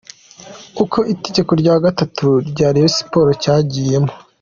Uko igitego cya gatatu cya Rayon Sports cyagiyemo .